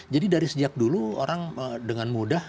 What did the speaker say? jadi dari sejak dulu orang dengan mudah